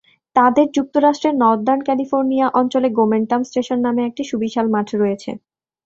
তাঁদের যুক্তরাষ্ট্রের Northern California অঞ্চলে গোমেন্টাম স্টেশন নামের একটি সুবিশাল মাঠ রয়েছে।